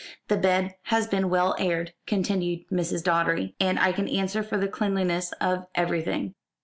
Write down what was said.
"The bed has been well aired," continued Mrs. Doddery, "and I can answer for the cleanliness of everything."